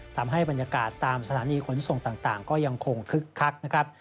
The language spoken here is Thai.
ทำให้บรรยากาศตามสถานีขนส่งต่างก็ยังคงคึกคักนะครับ